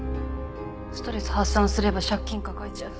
ストレス発散すれば借金抱えちゃうし。